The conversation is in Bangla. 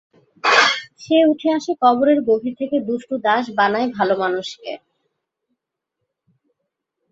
সে উঠে আসে কবরের গভীর থেকে দুষ্ট দাস বানায় ভালো মানুষকে!